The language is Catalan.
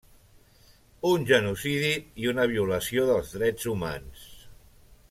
Un genocidi i una violació dels Drets Humans.